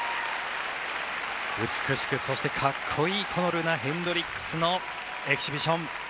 美しく、そしてかっこいいこのヘンドリックスのエキシビション。